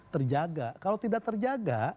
terjaga kalau tidak terjaga